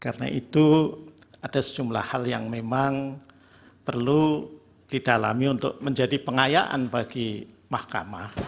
karena itu ada sejumlah hal yang memang perlu didalami untuk menjadi pengayaan bagi mahkamah